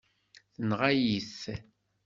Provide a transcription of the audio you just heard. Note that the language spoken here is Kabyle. Tenɣa-yi-t.